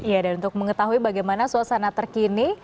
ya dan untuk mengetahui bagaimana suasana terkini